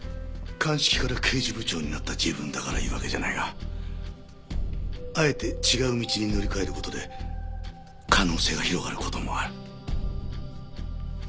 鑑識から刑事部長になった自分だから言うわけじゃないがあえて違う道に乗り換える事で可能性が広がる事もある。